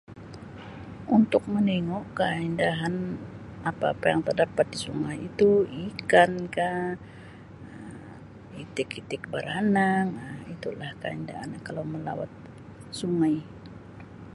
Untuk meningu keindahan apa-apa yang terdapat di sungai itu, ikan ka itik-itik baranang Um itulah tanda kalau melawat sungai.